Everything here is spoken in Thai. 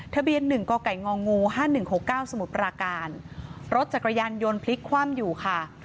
ทะเบียน๑กไก่ง๕๑๖๙สมุทรปราการรถจักรยานยนต์พลิกคว่ำอยู่ค่ะ